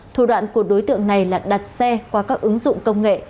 thủ đoạn của đối tượng này là đặt xe qua các ứng dụng công nghệ